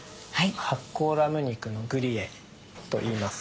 発酵ラム肉のグリエといいます。